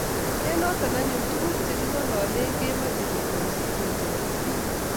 eng notok anyun tuguk che kingalale ko mache keboishe ketaret piik